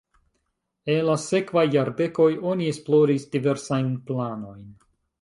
En la sekvaj jardekoj oni esploris diversajn planojn.